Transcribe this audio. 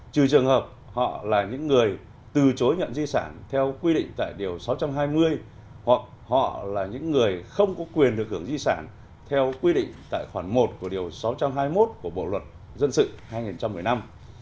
trừ trường hợp họ là những người từ chối nhận di sản theo quy định tại điều sáu trăm hai mươi hoặc họ là những người không có quyền được hưởng duy sản theo quy định tại khoản một của điều sáu trăm hai mươi một của bộ luật dân sự hai nghìn một mươi năm